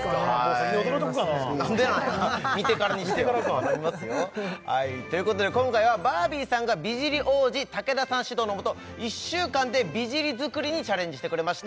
先に驚いとこうかななんでなん見てからにしてよ頼みますよということで今回はバービーさんが美尻王子竹田さん指導のもと１週間で美尻作りにチャレンジしてくれました